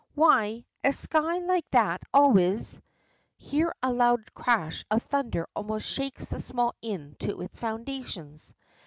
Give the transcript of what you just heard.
Why, a sky like that always " Here a loud crash of thunder almost shakes the small inn to its foundations.